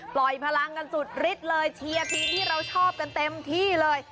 พลังกันสุดฤทธิ์เลยเชียร์ทีมที่เราชอบกันเต็มที่เลย